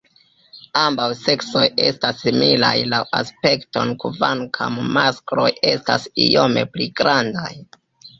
Ambaŭ seksoj estas similaj laŭ aspekto kvankam maskloj estas iome pli grandaj.